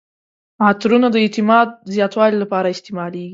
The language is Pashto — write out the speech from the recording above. عطرونه د اعتماد زیاتولو لپاره استعمالیږي.